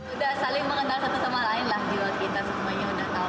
udah saling mengenal satu sama lain lah jiwa kita semuanya udah tahu